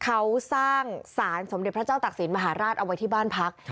เขาสร้างสารสมเด็จพระเจ้าตักศิลปมหาราชเอาไว้ที่บ้านพัก